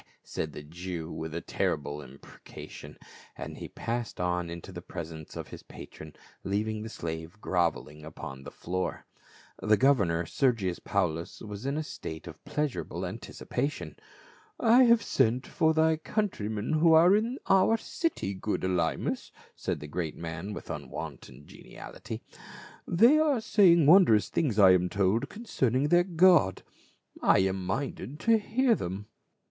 said the Jew with a terri ble imprecation, and he passed on into the presence of his patron, leaving the slave groveling upon the floor. The governor, Sergius Paulus, was in a state of pleasurable anticipation. " I have sent for thy coun try men who are in our city, good Elymas," said the great man with unwonted geniality. " They are saying wondrous things, I am told, concerning their God ; I am minded to hear them." 278 PAUL.